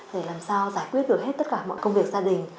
để làm sao giải quyết được hết tất cả mọi công việc gia đình